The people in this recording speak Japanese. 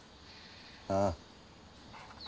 ああ。